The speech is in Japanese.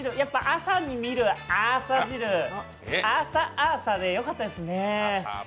朝に見るアーサ汁、アーサ・朝でよかったですね。